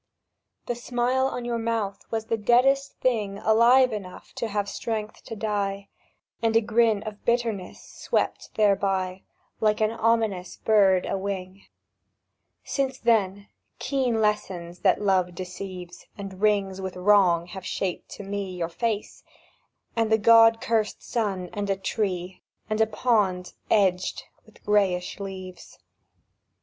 The smile on your mouth was the deadest thing Alive enough to have strength to die; And a grin of bitterness swept thereby Like an ominous bird a wing ... Since then, keen lessons that love deceives, And wrings with wrong, have shaped to me Your face, and the God curst sun, and a tree, And a pond edged with grayish leaves.